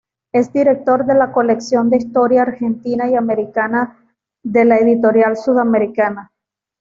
Es Director de la colección de Historia Argentina y Americana de la Editorial Sudamericana.